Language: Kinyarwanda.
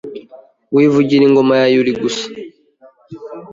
Wivugira ingoma ya yuli gusa